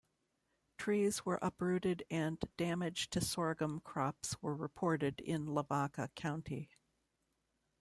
Trees were uprooted and damage to sorghum crops were reported in Lavaca County.